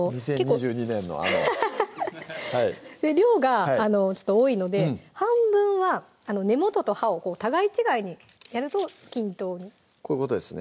２０２２年のあの量がちょっと多いので半分は根元と葉を互い違いにやると均等にこういうことですね